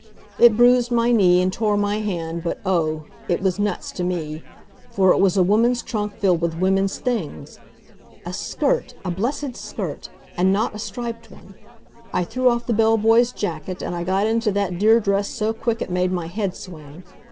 It bruised my knee and tore my hand, but oh! it was nuts to me. For it was a woman's trunk filled with women's things. A skirt! A blessed skirt! And not a striped one. I threw off the bell boy's jacket and I got into that dear dress so quick it made my head swim.